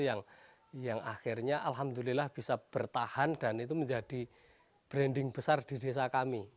yang akhirnya alhamdulillah bisa bertahan dan itu menjadi branding besar di desa kami